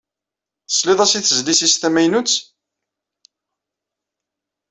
Tesliḍ as i tezlit is tamaynut?